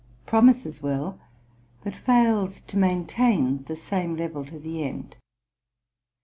} (101) promises well, but fails to maintain the same level to the end.